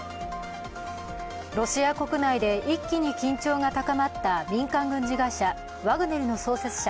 ロシア国内で一気に緊張が高まった民間軍事会社ワグネルの創設者